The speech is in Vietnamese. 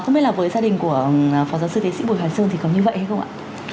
không biết là với gia đình của phó giáo sư tiến sĩ bùi hoài sơn thì có như vậy hay không ạ